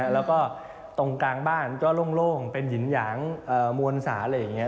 แล้วก็ตรงกลางบ้านก็โล่งเป็นหินหยางมวลสาอะไรอย่างนี้